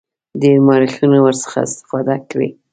ډیرو مورخینو ورڅخه استفاده کړې.